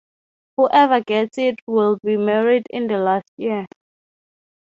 Whoever gets it will be married in the last year.